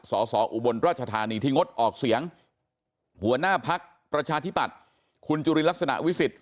สอสออุบลราชธานีที่งดออกเสียงหัวหน้าพักประชาธิปัตย์คุณจุลินลักษณะวิสิทธิ